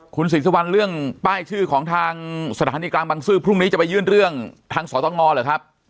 คุณศรีสุวรรณเรื่องป้ายชื่อของทางสถานีกลางบังซื้อพรุ่งนี้จะไปยื่นเรื่องทางสตงเหรอครับ